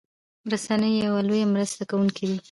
رسنۍ يو لويه مرسته کوونکي دي